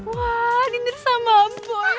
wah dinner sama boy